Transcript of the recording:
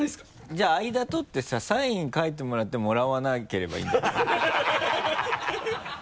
じゃああいだ取ってさサイン書いてもらってもらわなければいいんじゃない？ハハハ